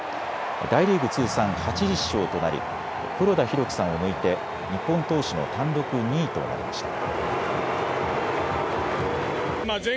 大リーグ通算８０勝となり黒田博樹さんを抜いて日本投手の単独２位となりました。